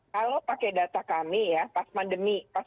kalau pakai data kami ya pas pandemi